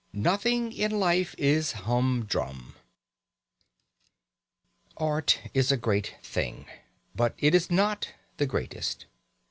X NOTHING IN LIFE IS HUMDRUM Art is a great thing. But it is not the greatest.